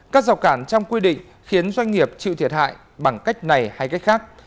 các rào cản trong quy định khiến doanh nghiệp chịu thiệt hại bằng cách này hay cách khác